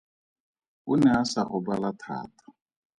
O ne a sa gobala thata.